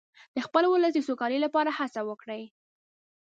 د خپل ولس د سوکالۍ لپاره هڅه وکړئ.